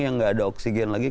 yang nggak ada oksigen lagi